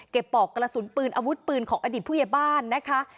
ปอกกระสุนปืนอาวุธปืนของอดีตผู้ใหญ่บ้านนะคะ